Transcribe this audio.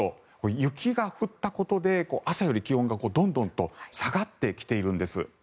雪が降ったことで朝より気温がどんどんと下がってきているんです。